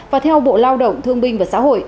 và theo bộ lao động thương binh và xã hội